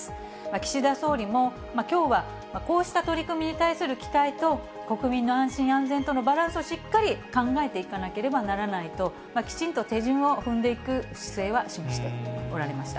岸田総理も、きょうはこうした取り組みに対する期待と、国民の安心安全とのバランスをしっかり考えていかなければならないと、きちんと手順を踏んでいく姿勢は示しておられました。